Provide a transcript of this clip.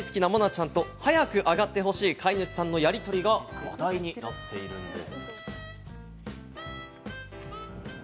ちゃんと、早く上がってほしい飼い主さんのやり取りが話題になっているんです。